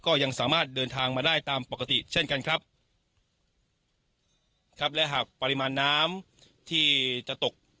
ก็ยังสามารถเดินทางมาได้ตามปกติเช่นกันครับครับและหากปริมาณน้ำที่จะตก